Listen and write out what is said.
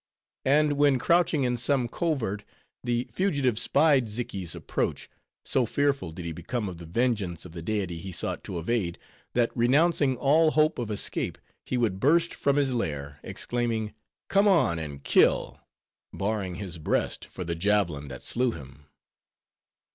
And when crouching in some covert, the fugitive spied Xiki's approach, so fearful did he become of the vengeance of the deity he sought to evade, that renouncing all hope of escape, he would burst from his lair, exclaiming, "Come on, and kill!" baring his breast for the javelin that slew him.